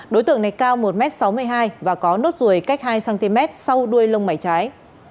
đối tượng này cao một m sáu mươi hai và có nốt ruồi cách hai cm sau đuôi lông mảy trái